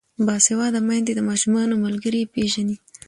باسواده میندې د ماشومانو ملګري پیژني.